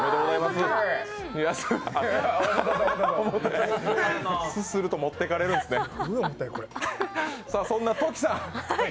すすると持ってかれるんですね。